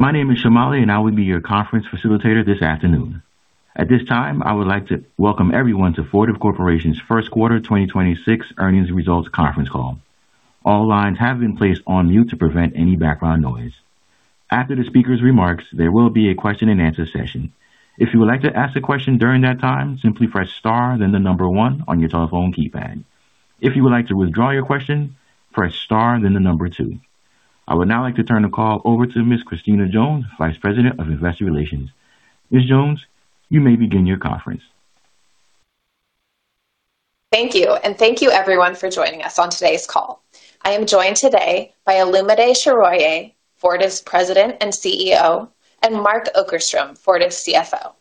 My name is Shamali and I will be your conference facilitator this afternoon. At this time, I would like to welcome everyone to Fortive Corporation's first quarter 2026 earnings results conference call. All lines have been placed on mute to prevent any background noise. After the speaker's remarks, there will be a question-and-answer session. If you would like to ask a question during that time, simply press star, then the number one on your telephone keypad. If you would like to withdraw your question, press star, then the number two. I would now like to turn the call over to Ms. Christina Jones, Vice President of Investor Relations. Ms. Jones, you may begin your conference. Thank you. Thank you everyone for joining us on today's call. I am joined today by Olumide Soroye, Fortive's President and CEO, and Mark Okerstrom, Fortive's CFO.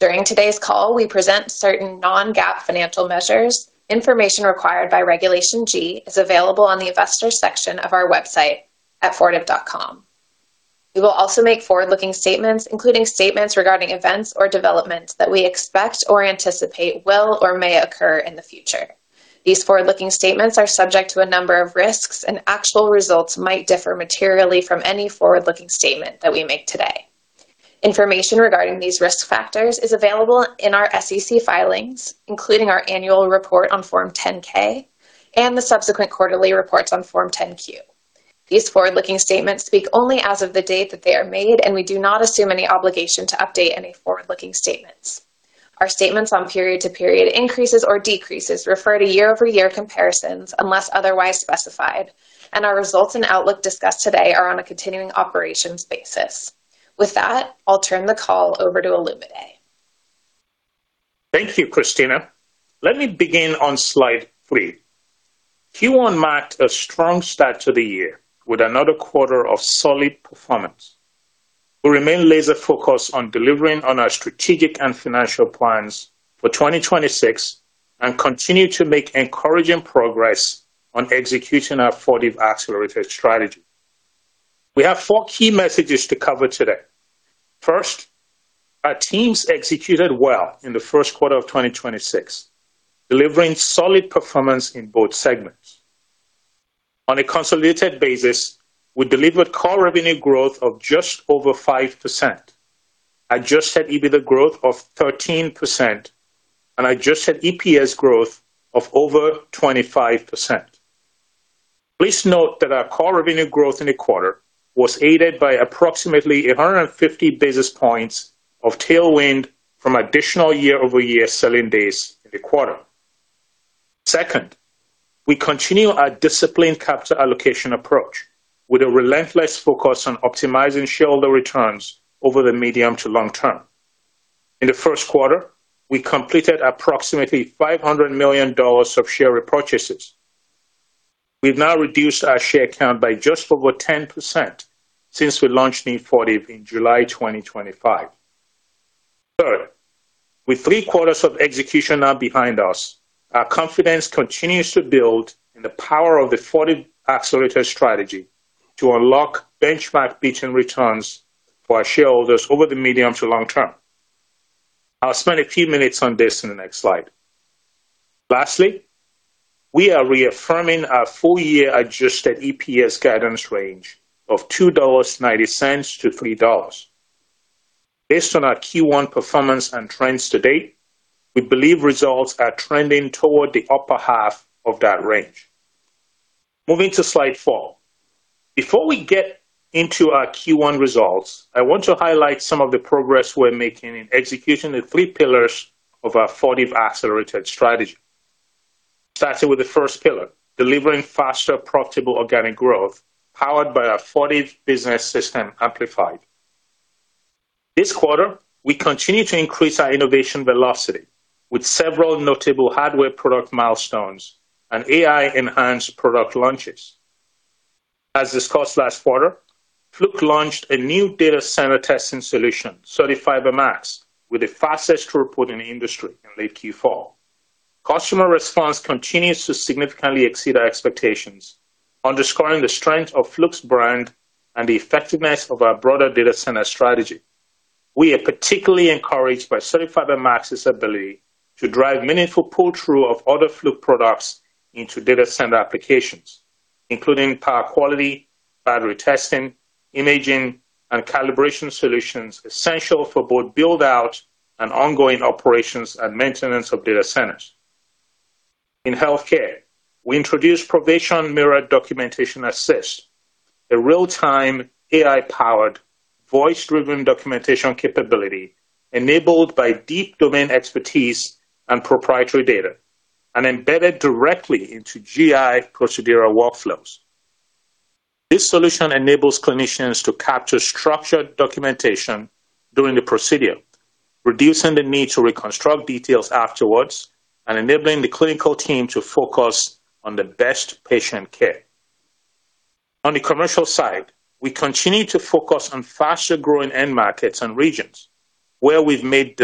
During today's call, we present certain non-GAAP financial measures. Information required by Regulation G is available on the Investor section of our website at fortive.com. We will also make forward-looking statements, including statements regarding events or developments that we expect or anticipate will or may occur in the future. These forward-looking statements are subject to a number of risks, and actual results might differ materially from any forward-looking statement that we make today. Information regarding these risk factors is available in our SEC filings, including our annual report on Form 10-K and the subsequent quarterly reports on Form 10-Q. These forward-looking statements speak only as of the date that they are made, and we do not assume any obligation to update any forward-looking statements. Our statements on period-to-period increases or decreases refer to year-over-year comparisons unless otherwise specified, and our results and outlook discussed today are on a continuing operations basis. With that, I'll turn the call over to Olumide. Thank you, Christina. Let me begin on slide three. Q1 marked a strong start to the year with another quarter of solid performance. We remain laser-focused on delivering on our strategic and financial plans for 2026 and continue to make encouraging progress on executing our Fortive Accelerated strategy. We have four key messages to cover today. First, our teams executed well in the first quarter of 2026, delivering solid performance in both segments. On a consolidated basis, we delivered core revenue growth of just over 5%, adjusted EBITDA growth of 13%, and adjusted EPS growth of over 25%. Please note that our core revenue growth in the quarter was aided by approximately 150 basis points of tailwind from additional year-over-year selling days in the quarter. Second, we continue our disciplined capital allocation approach with a relentless focus on optimizing shareholder returns over the medium to long term. In the first quarter, we completed approximately $500 million of share repurchases. We've now reduced our share count by just over 10% since we launched new Fortive in July 2025. Third, with three quarters of execution now behind us, our confidence continues to build in the power of the Fortive Accelerated strategy to unlock benchmark beating returns for our shareholders over the medium to long term. I'll spend a few minutes on this in the next slide. Lastly, we are reaffirming our full-year adjusted EPS guidance range of $2.90-$3.00. Based on our Q1 performance and trends to date, we believe results are trending toward the upper half of that range. Moving to slide four. Before we get into our Q1 results, I want to highlight some of the progress we're making in executing the three pillars of our Fortive Accelerated strategy. Starting with the first pillar, delivering faster profitable organic growth, powered by our Fortive Business System amplified. This quarter, we continued to increase our innovation velocity with several notable hardware product milestones and AI-enhanced product launches. As discussed last quarter, Fluke launched a new data center testing solution, CertiFiber Max, with the fastest throughput in the industry in late Q4. Customer response continues to significantly exceed our expectations, underscoring the strength of Fluke's brand and the effectiveness of our broader data center strategy. We are particularly encouraged by CertiFiber Max's ability to drive meaningful pull-through of other Fluke products into data center applications, including power quality, battery testing, imaging, and calibration solutions essential for both build-out and ongoing operations and maintenance of data centers. In healthcare, we introduced Provation Mira Documentation Assist, a real-time AI-powered, voice-driven documentation capability enabled by deep domain expertise and proprietary data and embedded directly into GI procedural workflows. This solution enables clinicians to capture structured documentation during the procedure, reducing the need to reconstruct details afterwards and enabling the clinical team to focus on the best patient care. On the commercial side, we continue to focus on faster-growing end markets and regions where we've made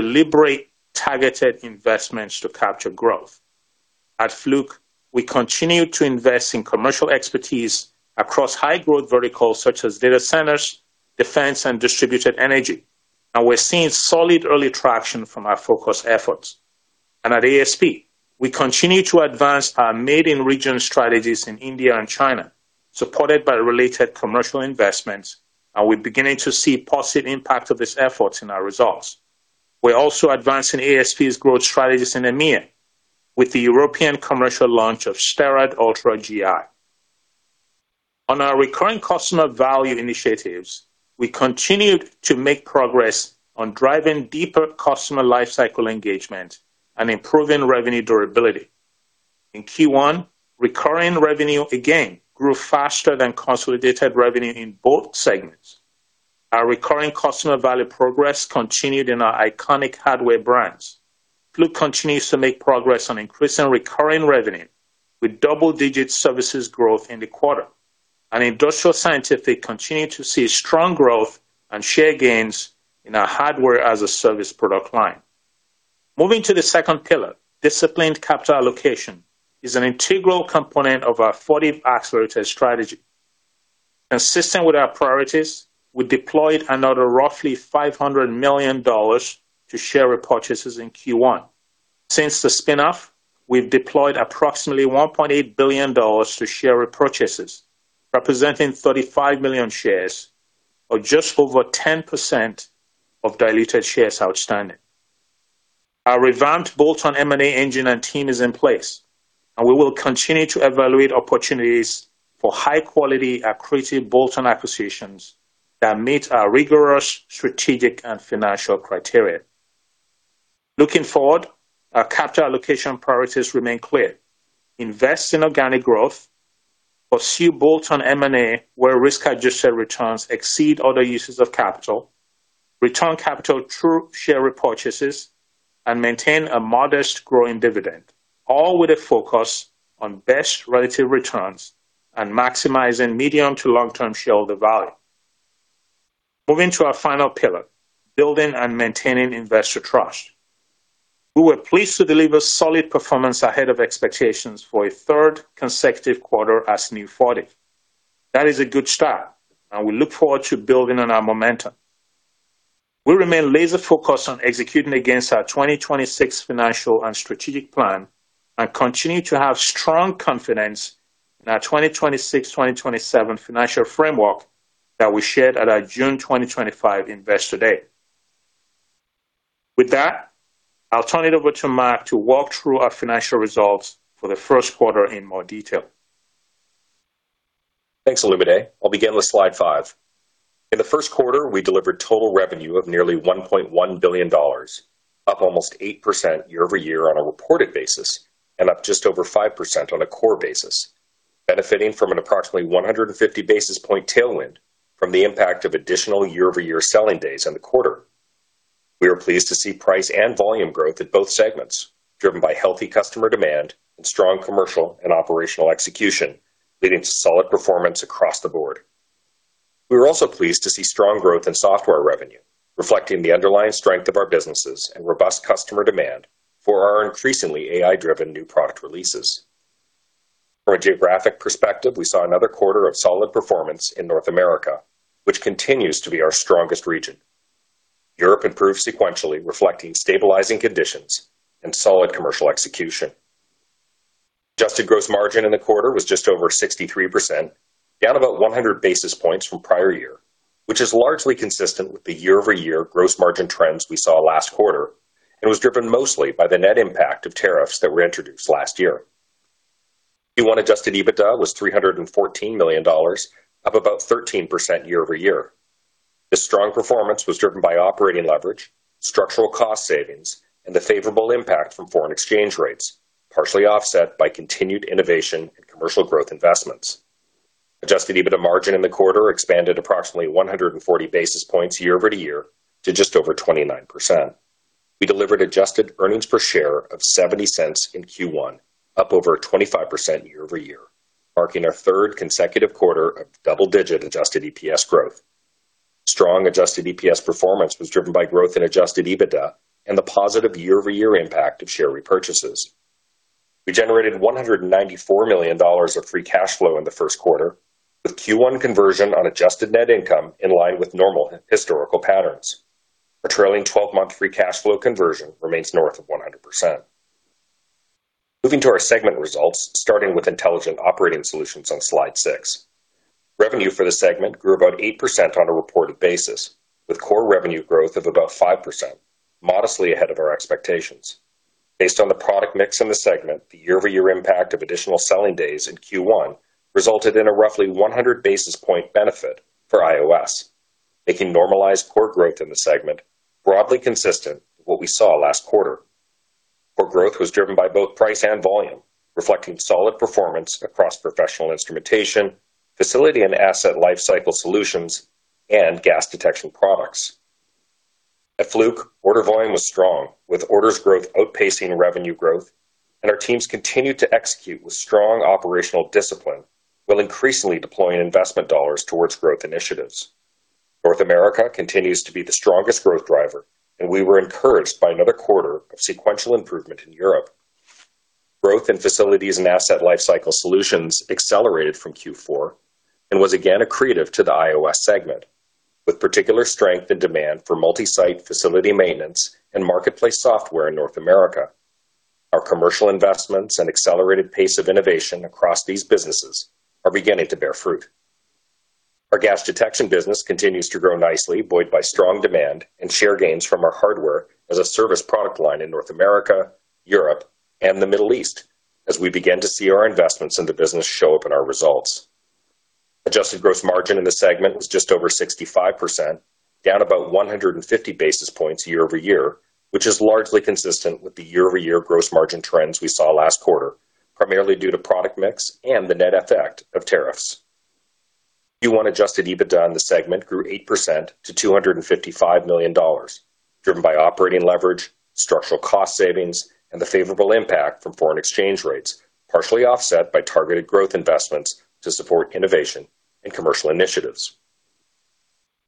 deliberate, targeted investments to capture growth. At Fluke, we continue to invest in commercial expertise across high-growth verticals such as data centers, defense, and distributed energy, and we're seeing solid early traction from our focused efforts. At ASP, we continue to advance our made-in-region strategies in India and China, supported by related commercial investments, and we're beginning to see positive impact of these efforts in our results. We're also advancing ASP's growth strategies in EMEA with the European commercial launch of STERRAD ULTRA GI. On our recurring customer value initiatives, we continued to make progress on driving deeper customer lifecycle engagement and improving revenue durability. In Q1, recurring revenue again grew faster than consolidated revenue in both segments. Our recurring customer value progress continued in our iconic hardware brands. Fluke continues to make progress on increasing recurring revenue with double-digit services growth in the quarter. Industrial Scientific continued to see strong growth and share gains in our hardware-as-a-service product line. Moving to the second pillar, disciplined capital allocation is an integral component of our Fortive Accelerated strategy. Consistent with our priorities, we deployed another roughly $500 million to share repurchases in Q1. Since the spin-off, we've deployed approximately $1.8 billion to share repurchases, representing 35 million shares or just over 10% of diluted shares outstanding. Our revamped bolt-on M&A engine and team is in place, and we will continue to evaluate opportunities for high-quality, accretive bolt-on acquisitions that meet our rigorous strategic and financial criteria. Looking forward, our capital allocation priorities remain clear. Invest in organic growth, pursue bolt-on M&A where risk-adjusted returns exceed other uses of capital, return capital through share repurchases, and maintain a modest growing dividend, all with a focus on best relative returns and maximizing medium to long-term shareholder value. Moving to our final pillar, building and maintaining investor trust. We were pleased to deliver solid performance ahead of expectations for a third consecutive quarter as new Fortive. That is a good start, and we look forward to building on our momentum. We remain laser-focused on executing against our 2026 financial and strategic plan and continue to have strong confidence in our 2026, 2027 financial framework that we shared at our June 2025 Investor Day. With that, I'll turn it over to Mark to walk through our financial results for the first quarter in more detail. Thanks, Olumide. I'll begin with slide five. In the first quarter, we delivered total revenue of nearly $1.1 billion, up almost 8% year-over-year on a reported basis, and up just over 5% on a core basis, benefiting from an approximately 150 basis point tailwind from the impact of additional year-over-year selling days in the quarter. We were pleased to see price and volume growth at both segments, driven by healthy customer demand and strong commercial and operational execution, leading to solid performance across the board. We were also pleased to see strong growth in software revenue, reflecting the underlying strength of our businesses and robust customer demand for our increasingly AI-driven new product releases. From a geographic perspective, we saw another quarter of solid performance in North America, which continues to be our strongest region. Europe improved sequentially, reflecting stabilizing conditions and solid commercial execution. Adjusted gross margin in the quarter was just over 63%, down about 100 basis points from prior year, which is largely consistent with the year-over-year gross margin trends we saw last quarter, and was driven mostly by the net impact of tariffs that were introduced last year. Q1 adjusted EBITDA was $314 million, up about 13% year-over-year. This strong performance was driven by operating leverage, structural cost savings, and the favorable impact from foreign exchange rates, partially offset by continued innovation and commercial growth investments. Adjusted EBITDA margin in the quarter expanded approximately 140 basis points year-over-to-year to just over 29%. We delivered adjusted earnings per share of $0.70 in Q1, up over 25% year-over-year, marking our third consecutive quarter of double-digit adjusted EPS growth. Strong adjusted EPS performance was driven by growth in adjusted EBITDA and the positive year-over-year impact of share repurchases. We generated $194 million of free cash flow in the first quarter, with Q1 conversion on adjusted net income in line with normal historical patterns. Our trailing 12-month free cash flow conversion remains north of 100%. Moving to our segment results, starting with Intelligent Operating Solutions on slide six. Revenue for the segment grew about 8% on a reported basis, with core revenue growth of about 5%, modestly ahead of our expectations. Based on the product mix in the segment, the year-over-year impact of additional selling days in Q1 resulted in a roughly 100 basis point benefit for IOS, making normalized core growth in the segment broadly consistent with what we saw last quarter. Core growth was driven by both price and volume, reflecting solid performance across professional instrumentation, facility and asset lifecycle solutions, and gas detection products. At Fluke, order volume was strong, with orders growth outpacing revenue growth, and our teams continued to execute with strong operational discipline while increasingly deploying investment dollars towards growth initiatives. North America continues to be the strongest growth driver, and we were encouraged by another quarter of sequential improvement in Europe. Growth in facilities and asset lifecycle solutions accelerated from Q4 and was again accretive to the IOS segment, with particular strength and demand for multi-site facility maintenance and marketplace software in North America. Our commercial investments and accelerated pace of innovation across these businesses are beginning to bear fruit. Our gas detection business continues to grow nicely, buoyed by strong demand and share gains from our hardware-as-a-service product line in North America, Europe, and the Middle East as we begin to see our investments in the business show up in our results. Adjusted gross margin in the segment was just over 65%, down about 150 basis points year-over-year, which is largely consistent with the year-over-year gross margin trends we saw last quarter, primarily due to product mix and the net effect of tariffs. Q1 adjusted EBITDA in the segment grew 8% to $255 million, driven by operating leverage, structural cost savings, and the favorable impact from foreign exchange rates, partially offset by targeted growth investments to support innovation and commercial initiatives.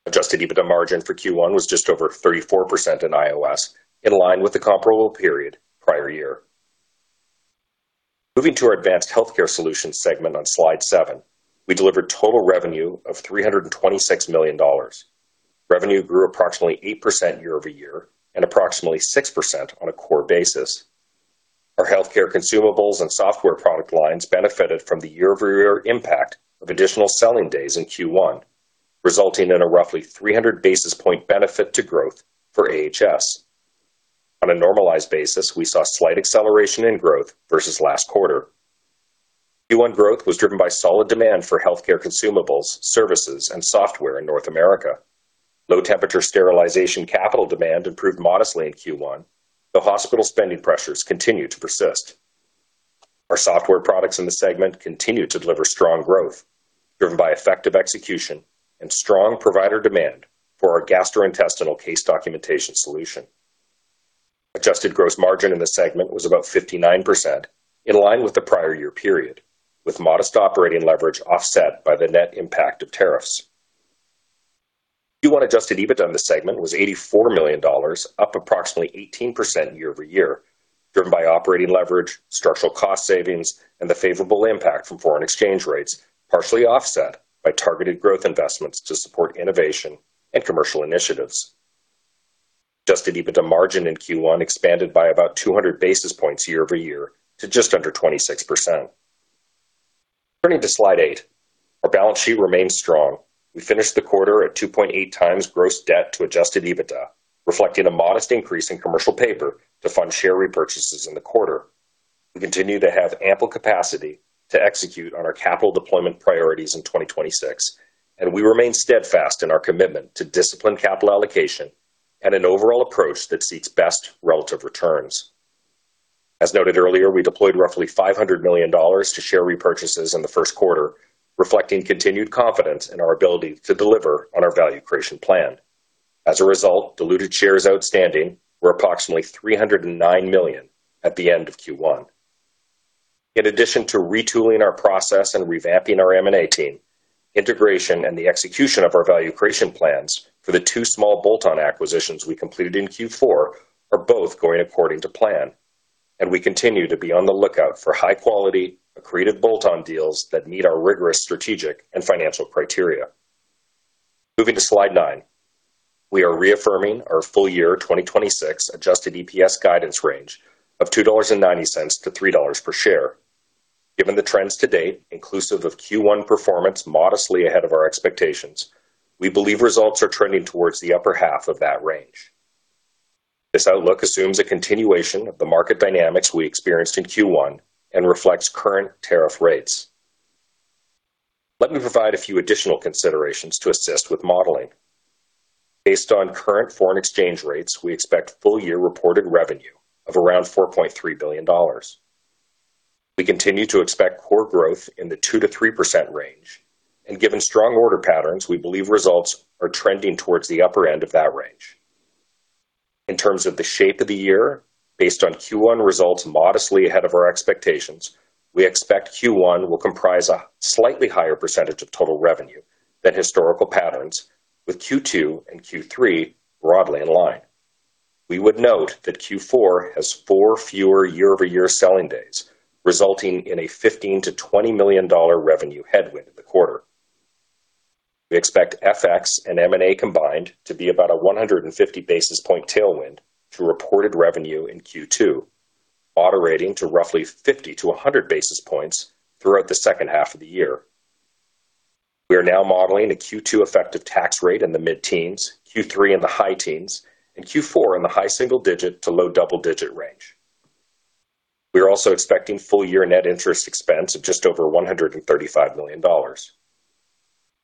Adjusted EBITDA margin for Q1 was just over 34% in IOS in line with the comparable period prior year. Moving to our Advanced Healthcare Solutions segment on slide seven, we delivered total revenue of $326 million. Revenue grew approximately 8% year-over-year and approximately 6% on a core basis. Our healthcare consumables and software product lines benefited from the year-over-year impact of additional selling days in Q1, resulting in a roughly 300 basis point benefit to growth for AHS. On a normalized basis, we saw slight acceleration in growth versus last quarter. Q1 growth was driven by solid demand for healthcare consumables, services, and software in North America. Low temperature sterilization capital demand improved modestly in Q1, though hospital spending pressures continue to persist. Our software products in the segment continue to deliver strong growth driven by effective execution and strong provider demand for our gastrointestinal case documentation solution. Adjusted gross margin in the segment was about 59% in line with the prior year period, with modest operating leverage offset by the net impact of tariffs. Q1 adjusted EBITDA in the segment was $84 million, up approximately 18% year-over-year, driven by operating leverage, structural cost savings, and the favorable impact from foreign exchange rates, partially offset by targeted growth investments to support innovation and commercial initiatives. Adjusted EBITDA margin in Q1 expanded by about 200 basis points year-over-year to just under 26%. Turning to slide eight, our balance sheet remains strong. We finished the quarter at 2.8x gross debt to adjusted EBITDA, reflecting a modest increase in commercial paper to fund share repurchases in the quarter. We continue to have ample capacity to execute on our capital deployment priorities in 2026, and we remain steadfast in our commitment to disciplined capital allocation and an overall approach that seeks best relative returns. As noted earlier, we deployed roughly $500 million to share repurchases in the first quarter, reflecting continued confidence in our ability to deliver on our value creation plan. As a result, diluted shares outstanding were approximately $309 million at the end of Q1. In addition to retooling our process and revamping our M&A team, integration and the execution of our value creation plans for the two small bolt-on acquisitions we completed in Q4 are both going according to plan. We continue to be on the lookout for high quality, accretive bolt-on deals that meet our rigorous strategic and financial criteria. Moving to slide nine. We are reaffirming our full-year 2026 adjusted EPS guidance range of $2.90-$3.00 per share. Given the trends to date, inclusive of Q1 performance modestly ahead of our expectations, we believe results are trending towards the upper half of that range. This outlook assumes a continuation of the market dynamics we experienced in Q1 and reflects current tariff rates. Let me provide a few additional considerations to assist with modeling. Based on current foreign exchange rates, we expect full-year reported revenue of around $4.3 billion. We continue to expect core growth in the 2%-3% range, and given strong order patterns, we believe results are trending towards the upper end of that range. In terms of the shape of the year, based on Q1 results modestly ahead of our expectations, we expect Q1 will comprise a slightly higher percentage of total revenue than historical patterns with Q2 and Q3 broadly in line. We would note that Q4 has four fewer year-over-year selling days, resulting in a $15 million-$20 million revenue headwind in the quarter. We expect FX and M&A combined to be about a 150 basis point tailwind to reported revenue in Q2, moderating to roughly 50 basis points-100 basis points throughout the second half of the year. We are now modeling a Q2 effective tax rate in the mid-teens, Q3 in the high teens, and Q4 in the high single-digit to low double-digit range. We are also expecting full-year net interest expense of just over $135 million.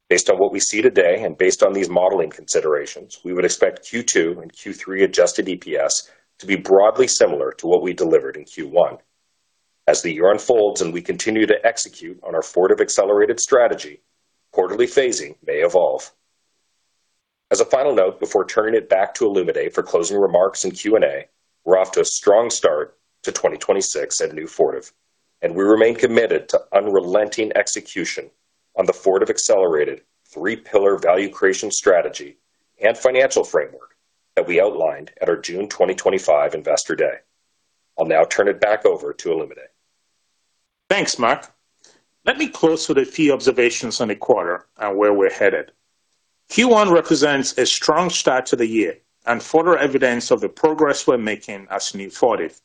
Based on what we see today and based on these modeling considerations, we would expect Q2 and Q3 adjusted EPS to be broadly similar to what we delivered in Q1. As the year unfolds and we continue to execute on our Fortive Accelerated strategy, quarterly phasing may evolve. As a final note, before turning it back to Olumide for closing remarks and Q&A, we're off to a strong start to 2026 at new Fortive, and we remain committed to unrelenting execution on the Fortive Accelerated three-pillar value creation strategy and financial framework. That we outlined at our June 2025 investor day. I'll now turn it back over to Olumide. Thanks, Mark. Let me close with a few observations on the quarter and where we're headed. Q1 represents a strong start to the year and further evidence of the progress we're making as new Fortive.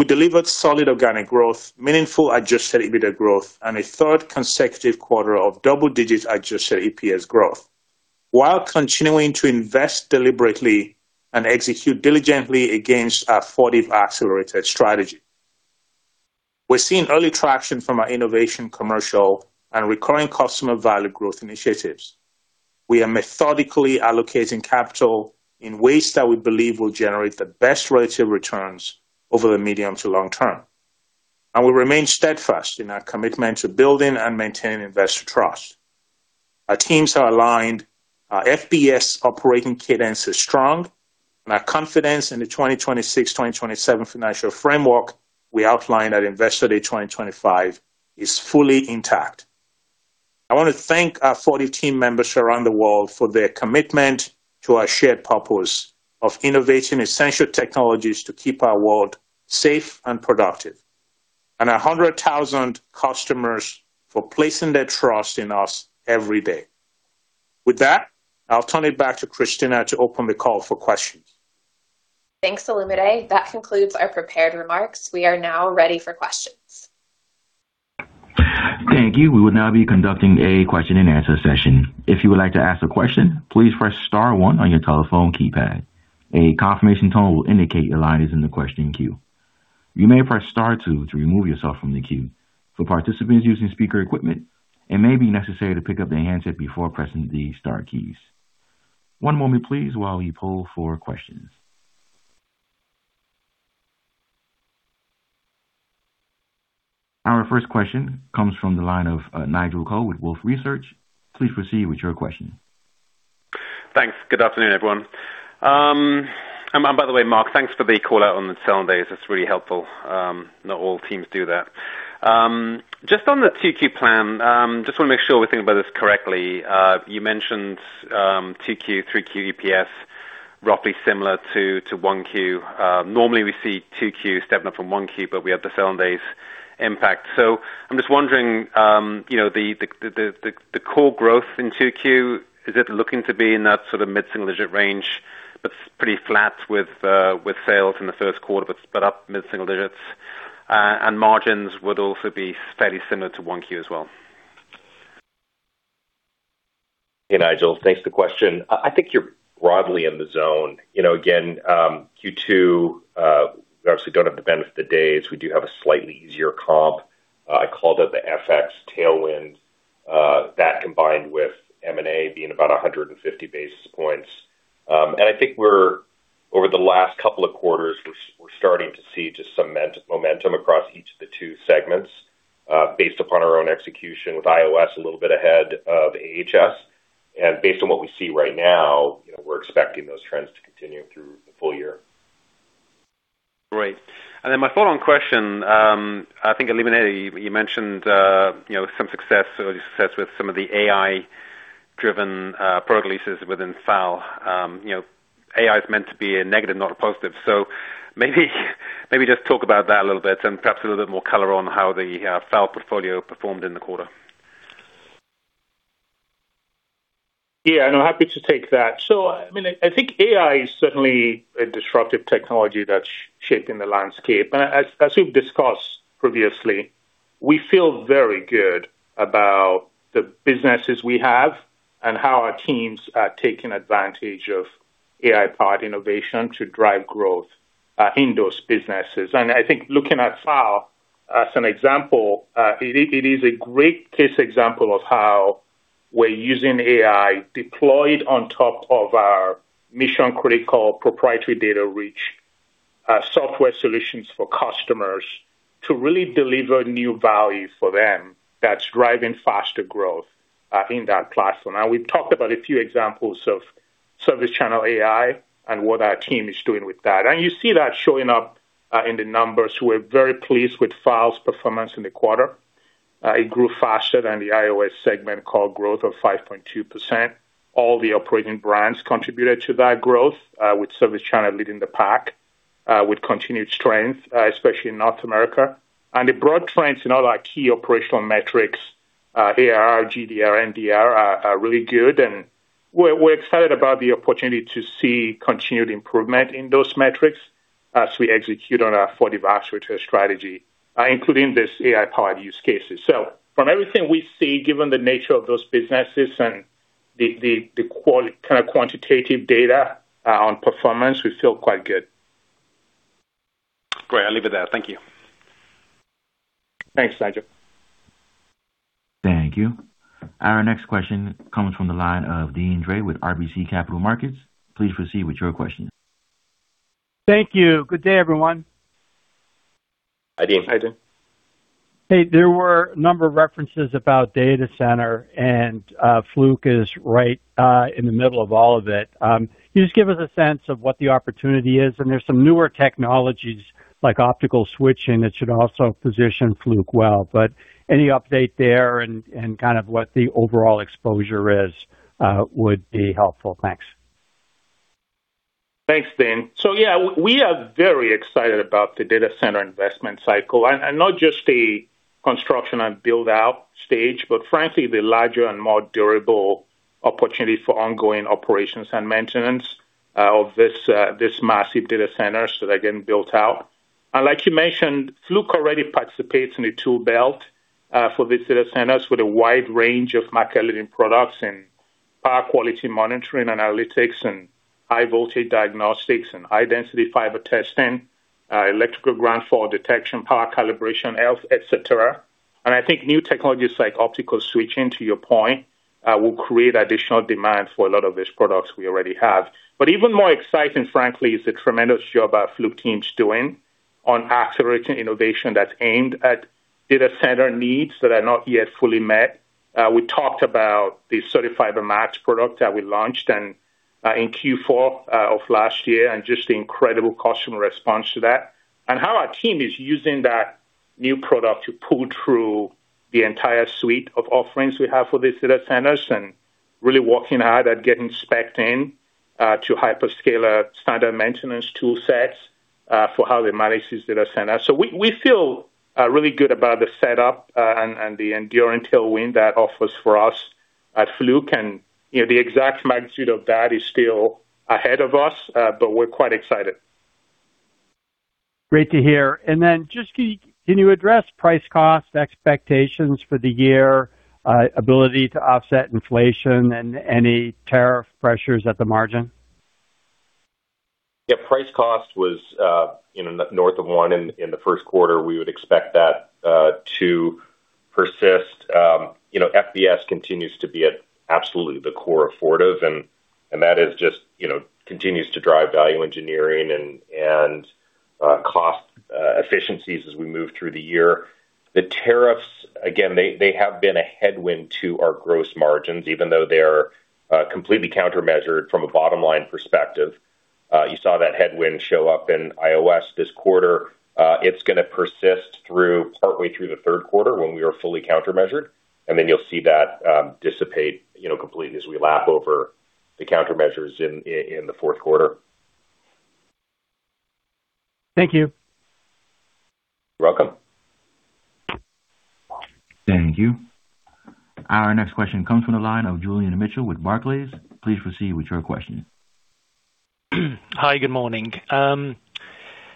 We delivered solid organic growth, meaningful adjusted EBITDA growth, and a third consecutive quarter of double-digit adjusted EPS growth while continuing to invest deliberately and execute diligently against our Fortive Accelerated strategy. We're seeing early traction from our innovation, commercial and recurring customer value growth initiatives. We are methodically allocating capital in ways that we believe will generate the best rates of returns over the medium to long term, and we remain steadfast in our commitment to building and maintaining investor trust. Our teams are aligned, our FBS operating cadence is strong, and our confidence in the 2026, 2027 financial framework we outlined at Investor Day 2025 is fully intact. I want to thank our Fortive team members around the world for their commitment to our shared purpose of innovating essential technologies to keep our world safe and productive. Our 100,000 customers for placing their trust in us every day. With that, I'll turn it back to Christina to open the call for questions. Thanks, Olumide. That concludes our prepared remarks. We are now ready for questions. Thank you. We will now be conducting a question-and-answer session. If you would like to ask a question, please press star one on your telephone keypad. A confirmation tone will indicate your line is in the question queue. You may press star two to remove yourself from the queue. For participants using speaker equipment, it may be necessary to pick up the handset before pressing the star keys. One moment please while we poll for questions. Our first question comes from the line of Nigel Coe with Wolfe Research. Please proceed with your question. Thanks. Good afternoon, everyone. And by the way, Mark, thanks for the call out on the selling days. That's really helpful. Not all teams do that. Just want to make sure we're thinking about this correctly. You mentioned 2Q, 3Q EPS roughly similar to 1Q. Normally we see 2Q stepping up from 1Q, but we have the selling days impact. I'm just wondering, you know, the core growth in 2Q, is it looking to be in that sort of mid-single digit range but pretty flat with sales in the first quarter, but up mid-single digits, and margins would also be fairly similar to 1Q as well? Hey, Nigel. Thanks for the question. I think you're broadly in the zone. You know, again, Q2, we obviously don't have the benefit of the days. We do have a slightly easier comp. I called out the FX tailwind, that combined with M&A being about 150 basis points. I think over the last couple of quarters, we're starting to see just some momentum across each of the two segments, based upon our own execution with IOS a little bit ahead of AHS. Based on what we see right now, you know, we're expecting those trends to continue through the full-year. Great. My follow-on question, I think, Olumide, you mentioned, you know, some success or success with some of the AI-driven product releases within FAL. You know, AI is meant to be a negative, not a positive. Maybe just talk about that a little bit and perhaps a little bit more color on how the FAL portfolio performed in the quarter. I'm happy to take that. I think AI is certainly a disruptive technology that's shaping the landscape. As we've discussed previously, we feel very good about the businesses we have and how our teams are taking advantage of AI-powered innovation to drive growth in those businesses. I think looking at FAL as an example, it is a great case example of how we're using AI deployed on top of our mission-critical proprietary data reach software solutions for customers to really deliver new value for them that's driving faster growth in that platform. Now, we've talked about a few examples of ServiceChannel AI and what our team is doing with that. You see that showing up in the numbers. We're very pleased with FAL's performance in the quarter. It grew faster than the IOS segment core growth of 5.2%. All the operating brands contributed to that growth, with ServiceChannel leading the pack, with continued strength, especially in North America. The broad trends in all our key operational metrics, ARR, GDR, NDR are really good, and we're excited about the opportunity to see continued improvement in those metrics as we execute on our Fortive Accelerated strategy, including these AI-powered use cases. From everything we see, given the nature of those businesses and the kind of quantitative data on performance, we feel quite good. Great. I'll leave it there. Thank you. Thanks, Nigel. Thank you. Our next question comes from the line of Deane Dray with RBC Capital Markets. Please proceed with your question. Thank you. Good day, everyone. Hi, Deane. Hi, Deane. Hey, there were a number of references about data center, and Fluke is right in the middle of all of it. Can you just give us a sense of what the opportunity is? There's some newer technologies like optical switching that should also position Fluke well. Any update there and kind of what the overall exposure is would be helpful. Thanks. Thanks, Deane. We are very excited about the data center investment cycle and not just the construction and build out stage, but frankly, the larger and more durable opportunity for ongoing operations and maintenance of this massive data centers that are getting built out. Like you mentioned, Fluke already participates in the tool belt for these data centers with a wide range of macro leading products and power quality monitoring analytics and high voltage diagnostics and high density fiber testing, electrical ground fault detection, power calibration, health, et cetera. I think new technologies like optical switching, to your point, will create additional demand for a lot of these products we already have. Even more exciting, frankly, is the tremendous job our Fluke team's doing on accelerating innovation that's aimed at data center needs that are not yet fully met. We talked about the CertiFiber Max product that we launched in Q4 of last year, and just the incredible customer response to that, and how our team is using that new product to pull through the entire suite of offerings we have for these data centers and really working hard at getting specced in to hyperscaler standard maintenance tool sets for how they manage these data centers. We feel really good about the setup and the enduring tailwind that offers for us at Fluke. You know, the exact magnitude of that is still ahead of us, but we're quite excited. Great to hear. Then just can you address price cost expectations for the year, ability to offset inflation and any tariff pressures at the margin? Yeah. Price cost was, you know, north of one in the first quarter. We would expect that to persist. You know, FBS continues to be at absolutely the core of Fortive, and that is just, you know, continues to drive value engineering and cost efficiencies as we move through the year. The tariffs, again, they have been a headwind to our gross margins, even though they're completely countermeasured from a bottom line perspective. You saw that headwind show up in IOS this quarter. It's gonna persist through partway through the third quarter when we are fully countermeasured. You'll see that dissipate, you know, completely as we lap over the countermeasures in the fourth quarter. Thank you. You're welcome. Thank you. Our next question comes from the line of Julian Mitchell with Barclays. Please proceed with your question. Hi, good morning.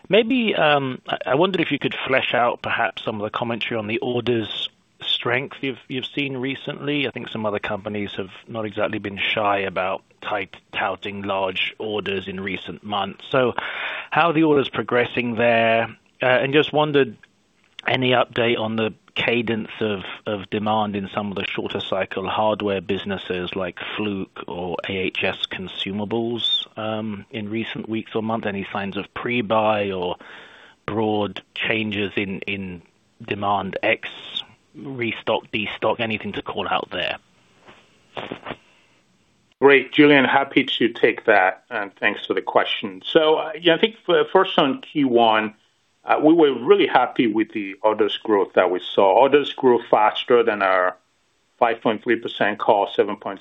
Maybe I wonder if you could flesh out perhaps some of the commentary on the orders strength you've seen recently. I think some other companies have not exactly been shy about touting large orders in recent months. How are the orders progressing there? Just wondered any update on the cadence of demand in some of the shorter cycle hardware businesses like Fluke or AHS consumables in recent weeks or months. Any signs of pre-buy or broad changes in demand, ex, de-stock, anything to call out there? Great, Julian. Happy to take that, and thanks for the question. Yeah, I think first on Q1, we were really happy with the orders growth that we saw. Orders grew faster than our 5.3% core, 7.7%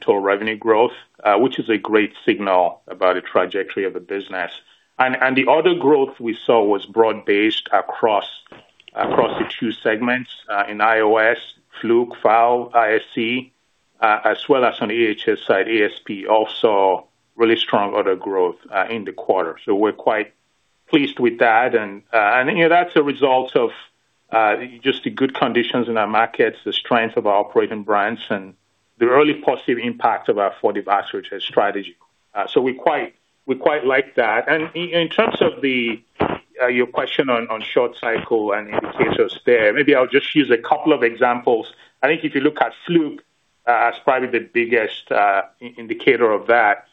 total revenue growth, which is a great signal about the trajectory of the business. The order growth we saw was broad-based across the two segments, in IOS, Fluke, FAL, ISC, as well as on the AHS side, ASP also really strong order growth in the quarter. We're quite pleased with that. You know, that's a result of just the good conditions in our markets, the strength of our operating brands and the early positive impact of our Fortive strategy. We quite like that. In terms of the, your question on short cycle and indicators there, maybe I'll just use a couple of examples. I think if you look at Fluke, as probably the biggest indicator of that,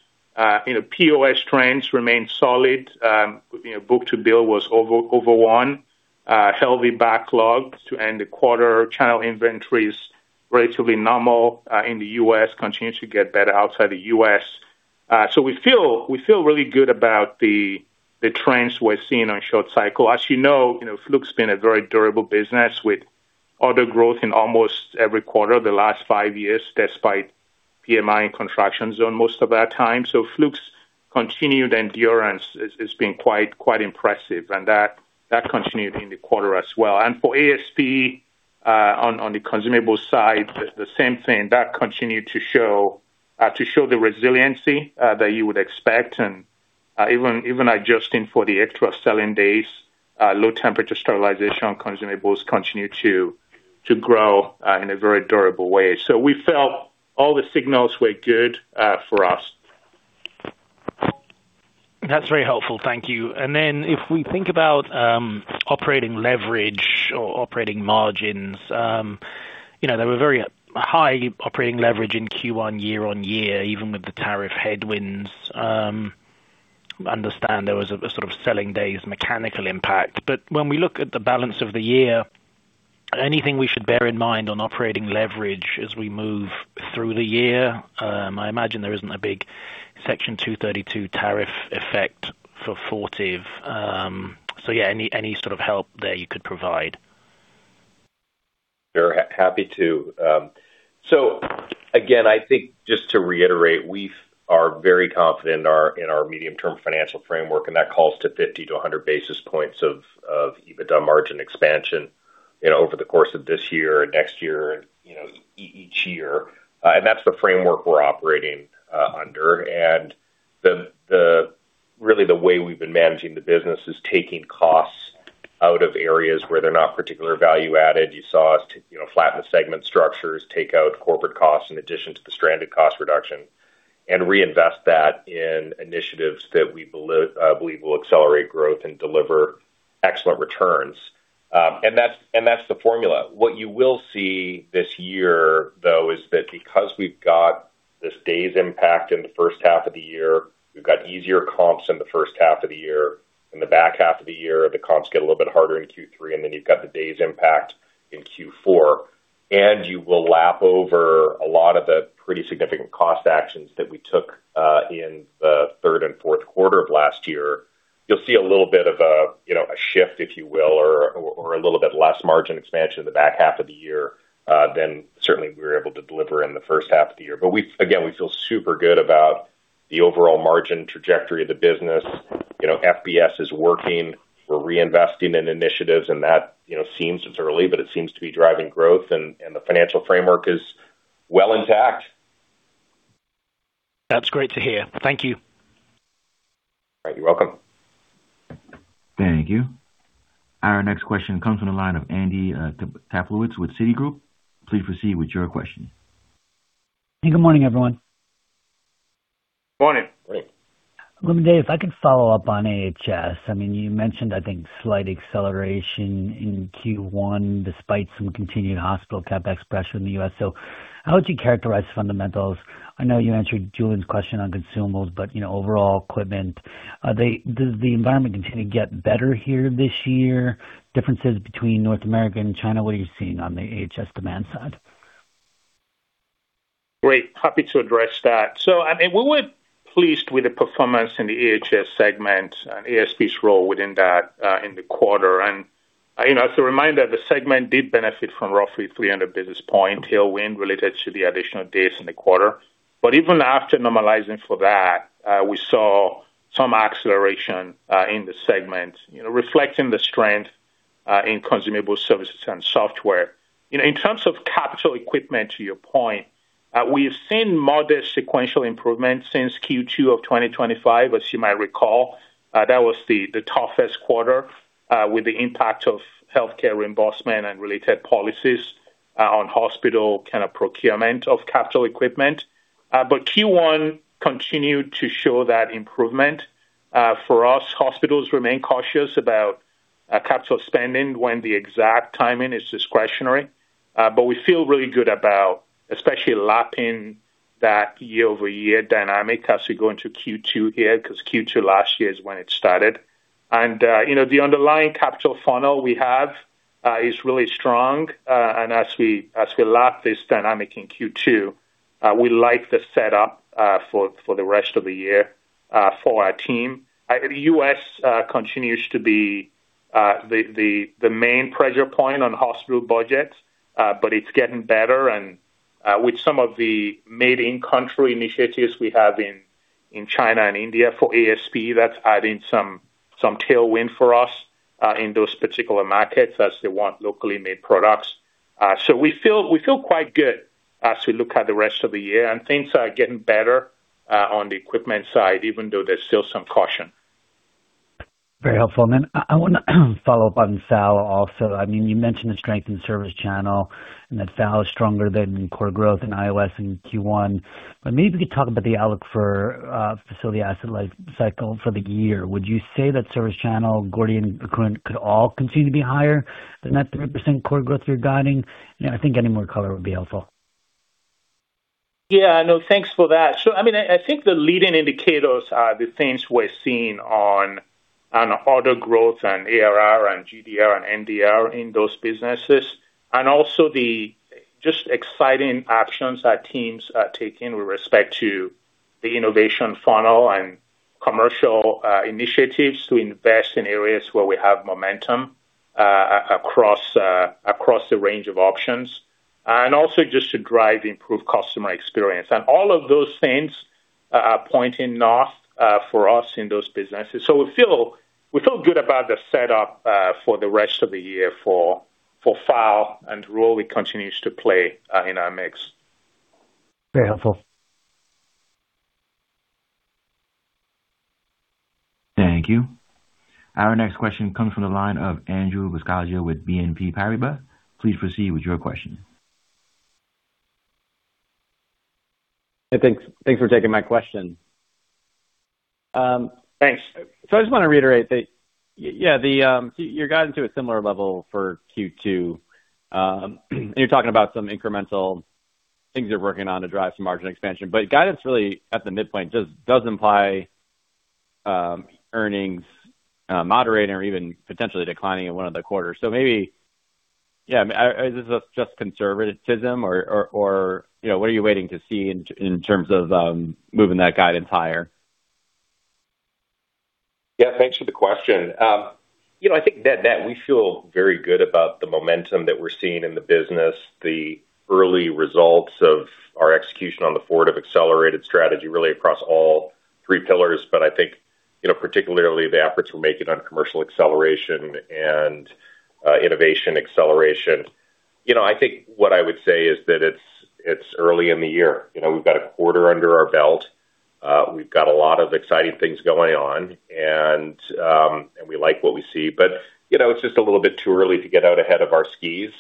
you know, POS trends remain solid. You know, book to bill was over one, healthy backlogs to end the quarter. Channel inventories relatively normal, in the U.S., continue to get better outside the U.S. We feel really good about the trends we're seeing on short cycle. As you know, Fluke's been a very durable business with order growth in almost every quarter of the last five years, despite PMI in contraction zone most of that time. Fluke's continued endurance has been quite impressive, and that continued in the quarter as well. For ASP, on the consumable side, the same thing. That continued to show the resiliency that you would expect. Even adjusting for the extra selling days, low temperature sterilization consumables continue to grow in a very durable way. We felt all the signals were good for us. That's very helpful. Thank you. If we think about operating leverage or operating margins, you know, there were very high operating leverage in Q1 year-on-year, even with the tariff headwinds. Understand there was a sort of selling days mechanical impact. When we look at the balance of the year, anything we should bear in mind on operating leverage as we move through the year? I imagine there isn't a big Section 232 tariff effect for Fortive. Any, any sort of help there you could provide. Sure. Happy to. Again, I think just to reiterate, we are very confident in our medium-term financial framework, and that calls to 50 basis points-100 basis points of EBITDA margin expansion over the course of this year and next year, each year. That's the framework we're operating under. Really, the way we've been managing the business is taking costs out of areas where they're not particular value-added. You saw us flatten the segment structures, take out corporate costs in addition to the stranded cost reduction, and reinvest that in initiatives that we believe will accelerate growth and deliver excellent returns. That's the formula. What you will see this year, though, is that because we've got this days impact in the first half of the year, we've got easier comps in the first half of the year. In the back half of the year, the comps get a little bit harder in Q3, and then you've got the days impact in Q4. You will lap over a lot of the pretty significant cost actions that we took in the third and fourth quarter of last year. You'll see a little bit of a, you know, a shift, if you will or a little bit less margin expansion in the back half of the year than certainly we were able to deliver in the first half of the year. Again, we feel super good about the overall margin trajectory of the business. You know, FBS is working. We're reinvesting in initiatives, and that, you know, seems, it's early, but it seems to be driving growth and the financial framework is well intact. That's great to hear. Thank you. All right. You're welcome. Thank you. Our next question comes from the line of Andy Kaplowitz with Citigroup. Please proceed with your question. Good morning, everyone. Morning. Great. Olumide, if I could follow up on AHS. I mean, you mentioned, I think, slight acceleration in Q1 despite some continued hospital CapEx pressure in the U.S. How would you characterize fundamentals? I know you answered Julian's question on consumables, but, you know, overall equipment, does the environment continue to get better here this year? Differences between North America and China, what are you seeing on the AHS demand side? Great. Happy to address that. I mean, we were pleased with the performance in the AHS segment and ASP's role within that, in the quarter. You know, as a reminder, the segment did benefit from roughly 300 basis point tailwind related to the additional days in the quarter. Even after normalizing for that, we saw some acceleration in the segment, you know, reflecting the strength in consumable services and software. You know, in terms of capital equipment, to your point, we have seen modest sequential improvement since Q2 of 2025. As you might recall, that was the toughest quarter with the impact of healthcare reimbursement and related policies on hospital kind of procurement of capital equipment. Q1 continued to show that improvement. For us, hospitals remain cautious about capital spending when the exact timing is discretionary. But we feel really good about especially lapping that year-over-year dynamic as we go into Q2 here, because Q2 last year is when it started. You know, the underlying capital funnel we have is really strong. As we, as we lap this dynamic in Q2, we like the setup for the rest of the year for our team. The U.S. continues to be the main pressure point on hospital budgets, but it's getting better. With some of the made-in-country initiatives we have in China and India for ASP, that's adding some tailwind for us in those particular markets as they want locally made products. We feel quite good as we look at the rest of the year, and things are getting better on the equipment side, even though there's still some caution. Very helpful. I want to follow up on FAL also. I mean, you mentioned the strength in ServiceChannel and that FAL is stronger than core growth in IOS in Q1. Maybe you could talk about the outlook for facility asset life cycle for the year. Would you say that ServiceChannel, Gordian could all continue to be higher than that 3% core growth you're guiding? You know, I think any more color would be helpful. Yeah. No, thanks for that. I mean, I think the leading indicators are the things we're seeing on order growth and ARR and GDR and NDR in those businesses, and also the just exciting actions our teams are taking with respect to the innovation funnel and commercial initiatives to invest in areas where we have momentum across the range of options, and also just to drive improved customer experience. All of those things are pointing north for us in those businesses. We feel good about the setup for the rest of the year for Fortive and the role it continues to play in our mix. Very helpful. Thank you. Our next question comes from the line of Andrew Buscaglia with BNP Paribas. Please proceed with your question. Hey, thanks. Thanks for taking my question. Thanks. I just want to reiterate that, yeah, you're guiding to a similar level for Q2. You're talking about some incremental things you're working on to drive some margin expansion. Guidance really at the midpoint does imply earnings moderating or even potentially declining in one of the quarters. Maybe, yeah, I, is this just conservatism or you know, what are you waiting to see in terms of moving that guidance higher? Yeah, thanks for the question. You know, I think net, we feel very good about the momentum that we're seeing in the business, the early results of our execution on the Fortive Accelerated strategy, really across all three pillars. I think, you know, particularly the efforts we're making on commercial acceleration and innovation acceleration. You know, I think what I would say is that it's early in the year. You know, we've got a quarter under our belt. We've got a lot of exciting things going on, and we like what we see, but, you know, it's just a little bit too early to get out ahead of our skis.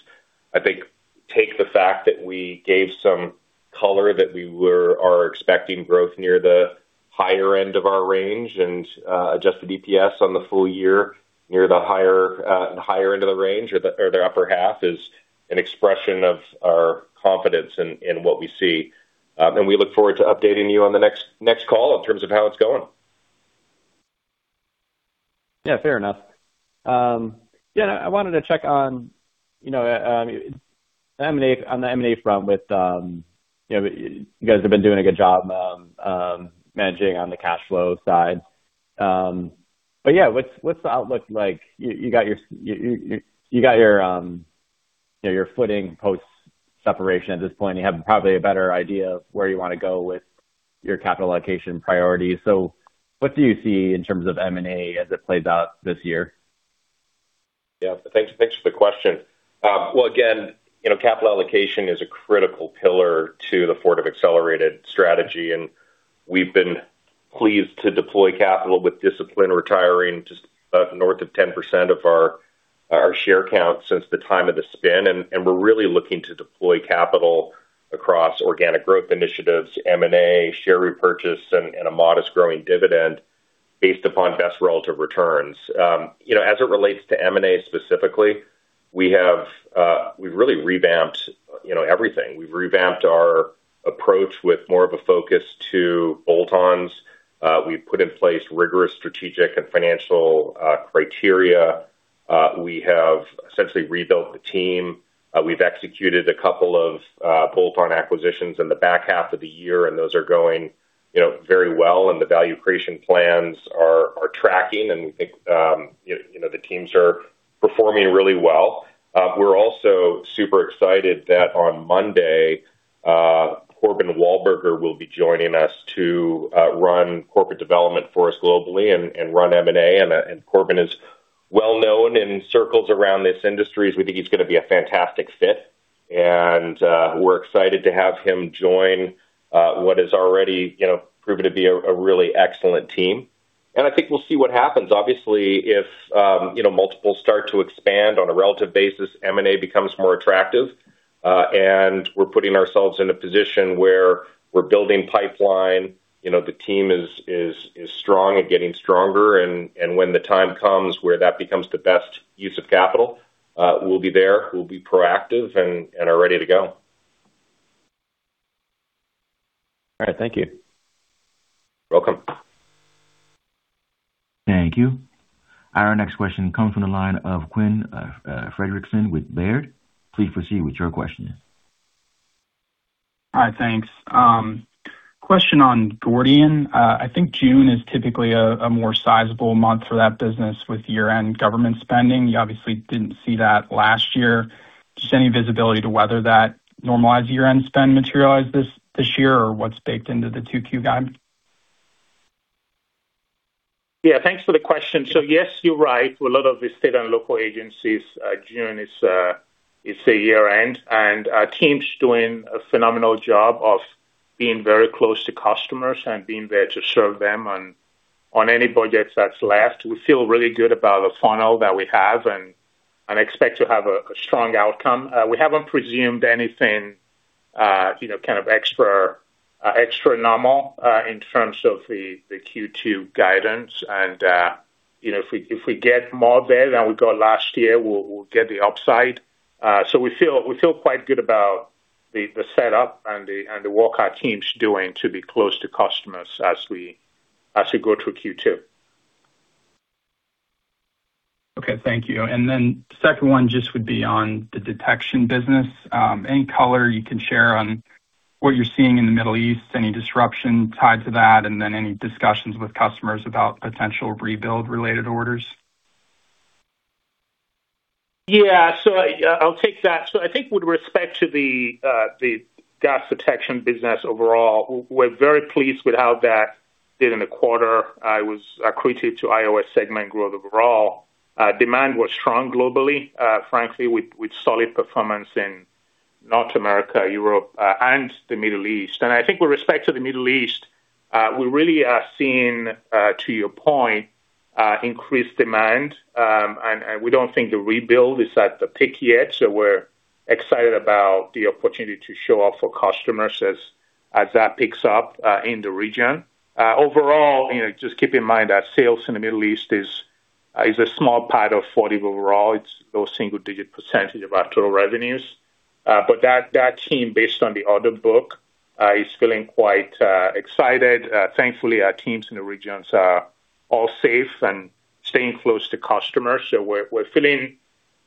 I think take the fact that we gave some color that we are expecting growth near the higher end of our range and adjusted EPS on the full-year near the higher end of the range or the upper half is an expression of our confidence in what we see. We look forward to updating you on the next call in terms of how it's going. Yeah, fair enough. Yeah, I wanted to check on, you know, on the M&A front with, you know, you guys have been doing a good job managing on the cash flow side. Yeah, what's the outlook like? You got your, you know, your footing post-separation at this point. You have probably a better idea of where you wanna go with your capital allocation priorities. What do you see in terms of M&A as it plays out this year? Yeah. Thanks for the question. Well, again, you know, capital allocation is a critical pillar to the Fortive Accelerated strategy, and we've been pleased to deploy capital with discipline, retiring just about north of 10% of our share count since the time of the spin. And we're really looking to deploy capital across organic growth initiatives, M&A, share repurchase, and a modest growing dividend based upon best relative returns. You know, as it relates to M&A specifically, we have, we've really revamped, you know, everything. We've revamped our approach with more of a focus to bolt-ons. We've put in place rigorous strategic and financial criteria. We have essentially rebuilt the team. We've executed a couple of bolt-on acquisitions in the back half of the year, and those are going, you know, very well, and the value creation plans are tracking, and we think the teams are performing really well. We're also super excited that on Monday, Corbin Walburger will be joining us to run corporate development for us globally and run M&A. Corbin is well-known in circles around this industry. We think he's gonna be a fantastic fit. We're excited to have him join what is already, you know, proven to be a really excellent team. I think we'll see what happens. Obviously, if, you know, multiples start to expand on a relative basis, M&A becomes more attractive. We're putting ourselves in a position where we're building pipeline. You know, the team is strong and getting stronger. When the time comes where that becomes the best use of capital, we'll be there. We'll be proactive and are ready to go. All right. Thank you. Welcome. Thank you. Our next question comes from the line of Quinn Fredrickson with Baird. Please proceed with your question. Hi. Thanks. Question on Gordian. I think June is typically a more sizable month for that business with year-end government spending. You obviously didn't see that last year. Just any visibility to whether that normalized year-end spend materialize this year or what's baked into the 2Q guide? Yeah. Thanks for the question. Yes, you're right. For a lot of the state and local agencies, June is a year-end. Our team's doing a phenomenal job of being very close to customers and being there to serve them on any budget that's left. We feel really good about the funnel that we have and expect to have a strong outcome. We haven't presumed anything, you know, kind of extra normal, in terms of the Q2 guidance. You know, if we get more there than we got last year, we'll get the upside. We feel quite good about the setup and the work our team's doing to be close to customers as we go through Q2. Okay. Thank you. Second one would be on the detection business. Any color you can share on what you're seeing in the Middle East, any disruption tied to that? Any discussions with customers about potential rebuild related orders? I'll take that. I think with respect to the gas detection business overall, we're very pleased with how that did in the quarter. It was accretive to IOS segment growth overall. Demand was strong globally, frankly, with solid performance in North America, Europe, and the Middle East. I think with respect to the Middle East, we really are seeing, to your point, increased demand. We don't think the rebuild is at the peak yet. We're excited about the opportunity to show up for customers as that picks up in the region. Overall, you know, just keep in mind that sales in the Middle East is a small part of Fortive overall. It's low single-digit percentage of our total revenues. That, that team, based on the order book, is feeling quite excited. Thankfully, our teams in the regions are all safe and staying close to customers. We're feeling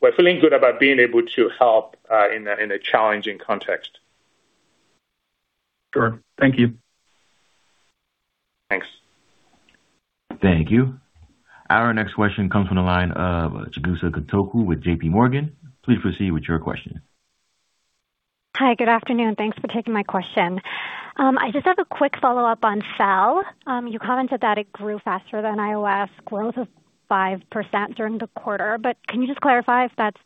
good about being able to help in a challenging context. Sure. Thank you. Thanks. Thank you. Our next question comes from the line of Chigusa Katoku with JPMorgan. Please proceed with your question. Hi, good afternoon. Thanks for taking my question. I just have a quick follow-up on FAL. You commented that it grew faster than IOS growth of 5% during the quarter, can you just clarify if that's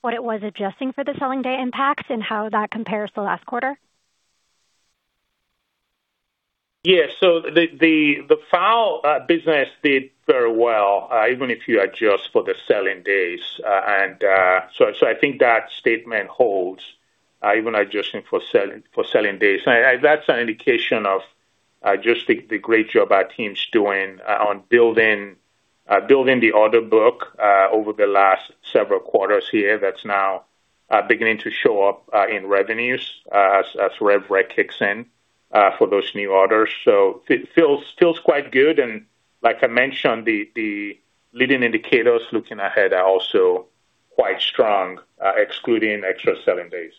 what it was adjusting for the selling day impact and how that compares to last quarter? The, the FAL business did very well, even if you adjust for the selling days. I think that statement holds even adjusting for selling days. That's an indication of just the great job our team's doing on building the order book over the last several quarters here that's now beginning to show up in revenues as rev rec kicks in for those new orders. It feels quite good. Like I mentioned, the leading indicators looking ahead are also quite strong, excluding extra selling days.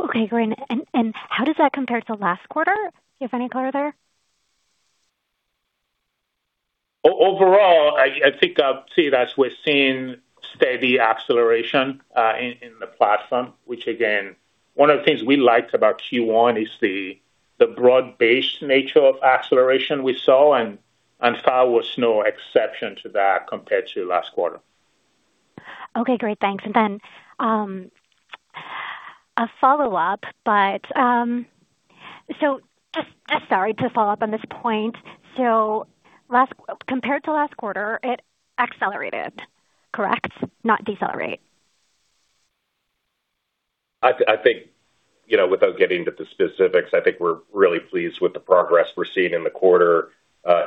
Okay, great. How does that compare to last quarter? Do you have any color there? Overall, I think I'd say that we're seeing steady acceleration in the platform, which again, one of the things we liked about Q1 is the broad-based nature of acceleration we saw, and FAL was no exception to that compared to last quarter. Okay, great. Thanks. A follow-up, just sorry to follow up on this point. Compared to last quarter, it accelerated, correct? Not decelerate. I think, you know, without getting into the specifics, I think we're really pleased with the progress we're seeing in the quarter,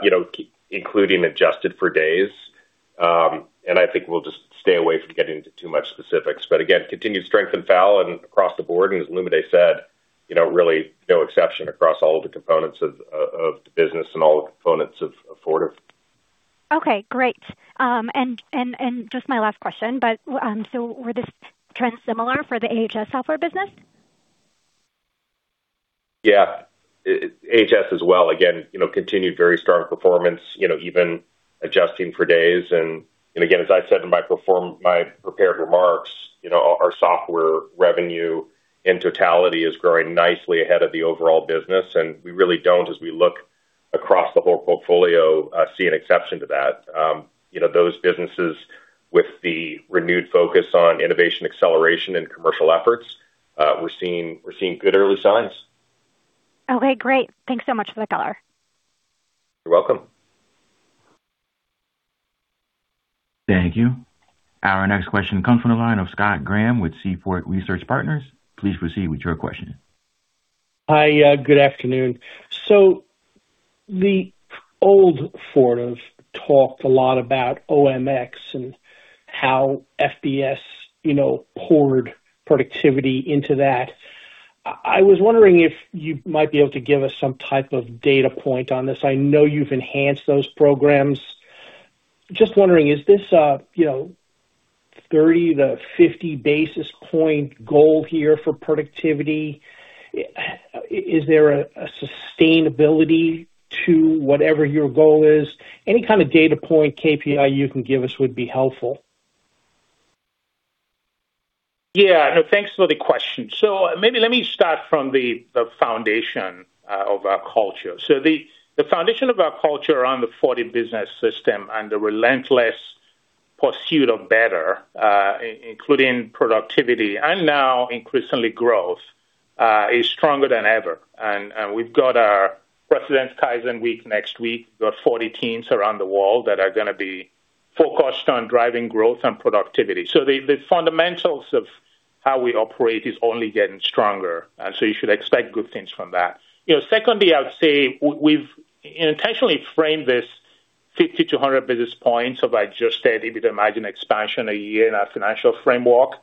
you know, including adjusted for days. I think we'll just stay away from getting into too much specifics. Again, continued strength in FAL and across the board, and as Olumide said, you know, really no exception across all the components of the business and all the components of Fortive. Okay, great. Just my last question, were these trends similar for the AHS software business? Yeah. AHS as well, again, you know, continued very strong performance, you know, even adjusting for days. Again, as I said in my prepared remarks, you know, our software revenue in totality is growing nicely ahead of the overall business, and we really don't, as we look across the whole portfolio, see an exception to that. You know, those businesses with the renewed focus on innovation, acceleration and commercial efforts, we're seeing good early signs. Okay, great. Thanks so much for the color. You're welcome. Thank you. Our next question comes from the line of Scott Graham with Seaport Research Partners. Please proceed with your question. Hi, good afternoon. The old Fortive talked a lot about OMX and how FBS, you know, poured productivity into that. I was wondering if you might be able to give us some type of data point on this. I know you've enhanced those programs. Just wondering, is this, you know, 30 basis points-50 basis points goal here for productivity? Is there a sustainability to whatever your goal is? Any kind of data point, KPI you can give us would be helpful. Yeah. Thanks for the question. Maybe let me start from the foundation of our culture. The foundation of our culture around the Fortive Business System and the relentless pursuit of better, including productivity and now increasingly growth, is stronger than ever. And we've got our President's Kaizen Week next week. We've got Fortive teams around the world that are going to be focused on driving growth and productivity. The fundamentals of how we operate is only getting stronger. You should expect good things from that. You know, secondly, I would say we've intentionally framed this 50 basis points-100 basis points of adjusted EBITDA margin expansion a year in our financial framework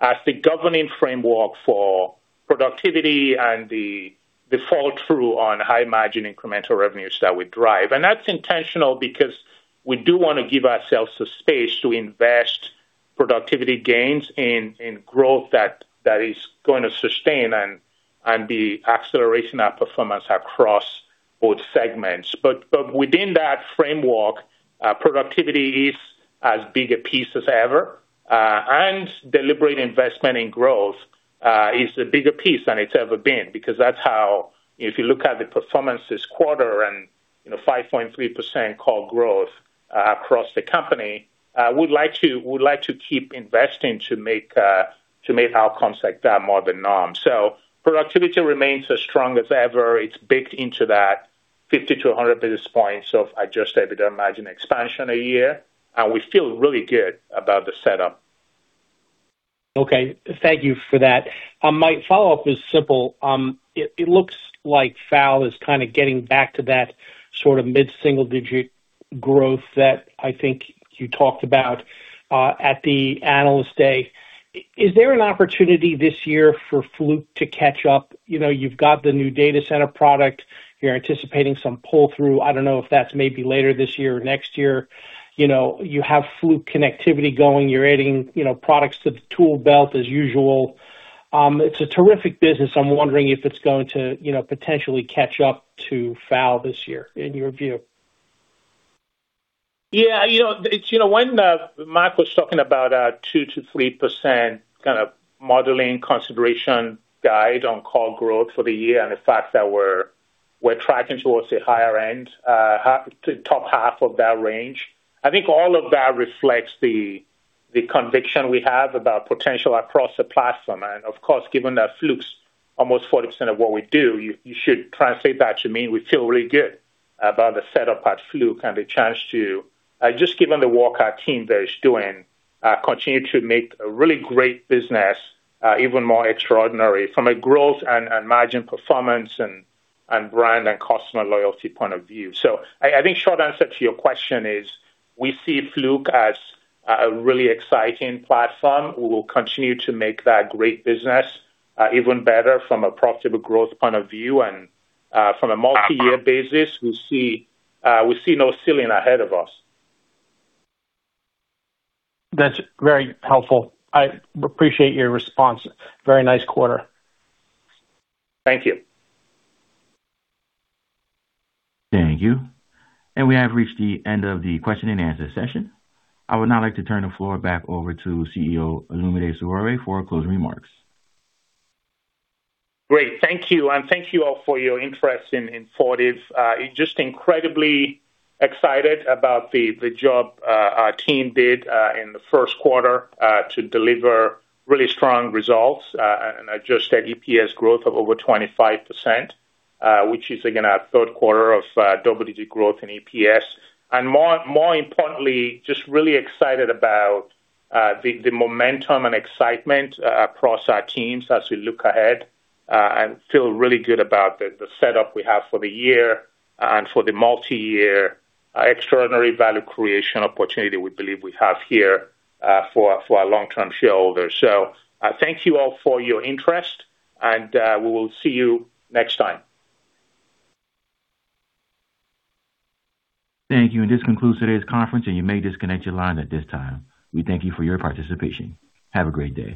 as the governing framework for productivity and the follow-through on high margin incremental revenues that we drive. That's intentional because we do wanna give ourselves the space to invest productivity gains in growth that is gonna sustain and the acceleration of performance across both segments. Within that framework, productivity is as big a piece as ever, and deliberate investment in growth is a bigger piece than it's ever been, because that's how if you look at the performance this quarter and you know, 5.3% core growth across the company, we'd like to keep investing to make outcomes like that more the norm. Productivity remains as strong as ever. It's baked into that 50 basis points-100 basis points of adjusted EBITDA margin expansion a year. We feel really good about the setup. Okay. Thank you for that. My follow-up is simple. It looks like FAL is kinda getting back to that sort of mid-single-digit growth that I think you talked about at the Analyst Day. Is there an opportunity this year for Fluke to catch up? You know, you've got the new data center product. You're anticipating some pull-through. I don't know if that's maybe later this year or next year. You know, you have Fluke connectivity going. You're adding, you know, products to the tool belt as usual. It's a terrific business. I'm wondering if it's going to, you know, potentially catch up to FAL this year in your view. You know, it's, you know, when Mark was talking about our 2%-3% kind of modeling consideration guide on core growth for the year, the fact that we're tracking towards the higher end, the top half of that range. I think all of that reflects the conviction we have about potential across the platform. Of course, given that Fluke's almost 40% of what we do, you should translate that to mean we feel really good about the setup at Fluke and the chance to, just given the work our team there is doing, continue to make a really great business, even more extraordinary from a growth and margin performance and brand and customer loyalty point of view. I think short answer to your question is we see Fluke as a really exciting platform. We will continue to make that great business, even better from a profitable growth point of view and from a multi-year basis, we see no ceiling ahead of us. That's very helpful. I appreciate your response. Very nice quarter. Thank you. Thank you. We have reached the end of the question-and-answer session. I would now like to turn the floor back over to CEO Olumide Soroye for closing remarks. Great, thank you. Thank you all for your interest in Fortive. Just incredibly excited about the job our team did in the first quarter to deliver really strong results, an adjusted EPS growth of over 25%, which is again our third quarter of double-digit growth in EPS. More importantly, just really excited about the momentum and excitement across our teams as we look ahead and feel really good about the setup we have for the year and for the multi-year extraordinary value creation opportunity we believe we have here for our long-term shareholders. Thank you all for your interest and we will see you next time. Thank you. This concludes today's conference. You may disconnect your lines at this time. We thank you for your participation. Have a great day.